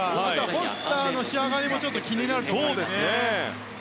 フォスターの仕上がりも気になるところですね。